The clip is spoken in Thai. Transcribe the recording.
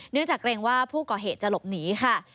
จากเกรงว่าผู้ก่อเหตุจะหลบหนีค่ะ